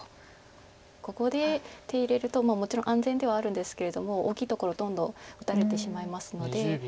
ここで手入れるともちろん安全ではあるんですけれども大きいところどんどん打たれてしまいますので。